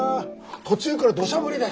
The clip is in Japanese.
途中からどしゃ降りで。